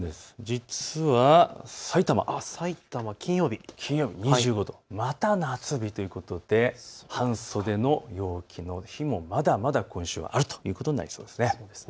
実は、さいたま、金曜日、２５度、また夏日ということで半袖の陽気の日もまだまだ今週はあるということになりそうです。